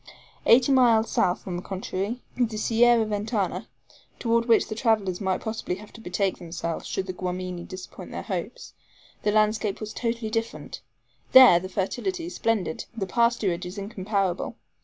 Eighty miles south, on the contrary, the Sierra Ventana, toward which the travelers might possibly have to betake themselves should the Guamini disappoint their hopes, the landscape was totally different. There the fertility is splendid; the pasturage is incomparable.